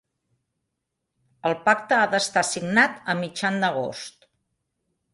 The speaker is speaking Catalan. El pacte ha d'estar signat a mitjan Agost.